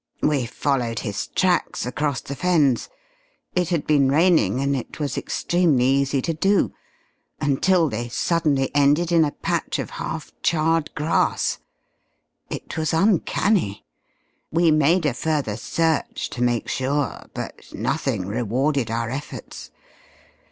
"We followed his tracks across the Fens it had been raining and it was extremely easy to do until they suddenly ended in a patch of half charred grass. It was uncanny! We made a further search to make sure, but nothing rewarded our efforts.